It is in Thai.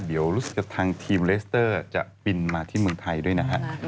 เดี๋ยวรู้สึกกับทางทีมเลสเตอร์จะบินมาที่เมืองไทยด้วยนะฮะ